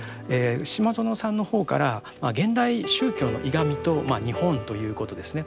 島薗さんの方から現代宗教の歪みと日本ということですね。